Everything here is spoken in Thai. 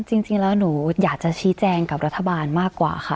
จริงแล้วหนูอยากจะชี้แจงกับรัฐบาลมากกว่าค่ะ